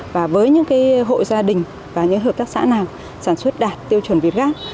và với những cái hội gia đình và những hợp tác xã nào sản xuất đạt tiêu chuẩn việt gác